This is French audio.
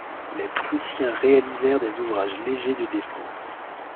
Les Prussiens réalisèrent des ouvrages légers de défense.